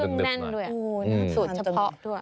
สูตรเฉพาะด้วย